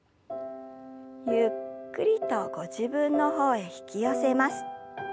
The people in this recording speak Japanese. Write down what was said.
ゆっくりとご自分の方へ引き寄せます。